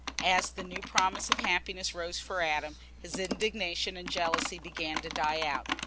As the new promise of happiness rose for Adam, his indignation and jealousy began to die out.